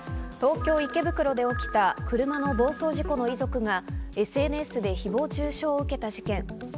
東京・池袋で起きた車の暴走事故の遺族が、ＳＮＳで誹謗中傷を受けた事件。